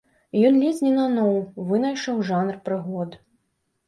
Ён ледзь не наноў вынайшаў жанр прыгод.